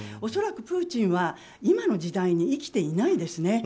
恐らくプーチンは今の時代に生きていないですね。